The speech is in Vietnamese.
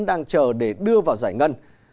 đang chờ để đưa vào giải ngân